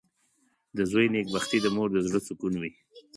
• د زوی نېکبختي د مور د زړۀ سکون وي.